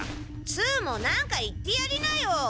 ツウもなんか言ってやりなよ。